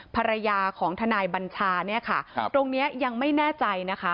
ภรรยาของทนายบัญชาตรงนี้ยังไม่แน่ใจ